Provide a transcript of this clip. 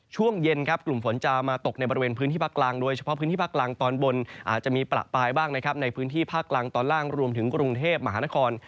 ช่วงเย็นครับกลุ่มฝนจะมาตกในบริเวณพื้นที่ภาคกลางโดยเฉพาะพื้นที่ภาคกลางตอนบนอาจจะมีประปายบ้างนะครับในพื้นที่ภาคกลางตอนล่างรวมถึงกรุงเทพมหานคร